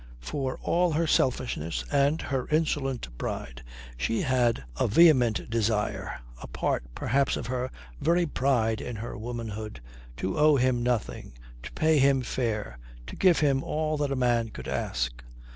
For all her selfishness and her insolent pride, she had a vehement desire, a part perhaps of her very pride in her womanhood, to owe him nothing, to play him fair, to give him all that a man could ask.